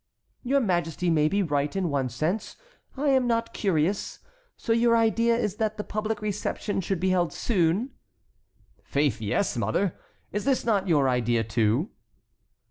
"Your Majesty may be right in one sense; I am not curious. So your idea is that the public reception should be held soon?" "Faith, yes, mother; is this not your idea too?"